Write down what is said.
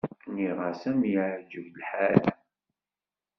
Nniɣ-as am yeεǧeb lḥal.